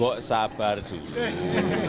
bok sabar dulu